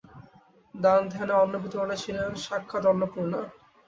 দান-ধ্যানে, অন্ন-বিতরণে ছিলেন সাক্ষাৎ অন্নপূর্ণা।